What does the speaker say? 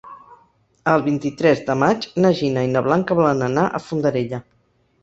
El vint-i-tres de maig na Gina i na Blanca volen anar a Fondarella.